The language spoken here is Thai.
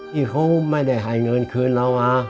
ที่เขาไม่ได้ให้เงินคืนเรามา